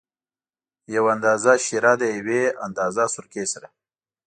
یو اندازه شېره د یوې اندازه سرکې سره.